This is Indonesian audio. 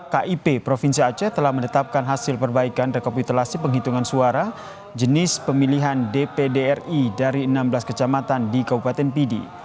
kip provinsi aceh telah menetapkan hasil perbaikan rekapitulasi penghitungan suara jenis pemilihan dpd ri dari enam belas kecamatan di kabupaten pidi